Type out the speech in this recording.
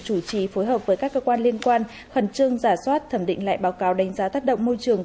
chủ trì phối hợp với các cơ quan liên quan khẩn trương giả soát thẩm định lại báo cáo đánh giá tác động môi trường